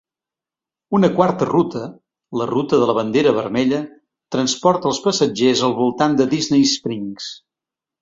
Una quarta ruta, la ruta de la bandera vermella, transporta els passatgers al voltant de Disney Springs.